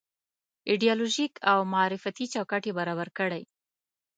ایدیالوژيک او معرفتي چوکاټ یې برابر کړی.